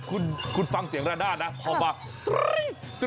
คุณฟังเสียงระด้านะพอมา